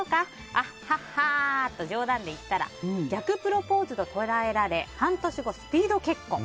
アッハハ！と冗談で言ったら逆プロポーズと捉えられ半年後、スピード結婚。